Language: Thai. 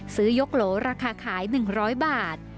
ซื้อยกโหลราคาขาย๑๐๐บาท